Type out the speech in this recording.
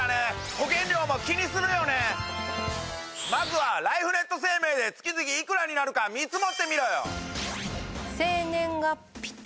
まずはライフネット生命で月々いくらになるか見積もってみろよ！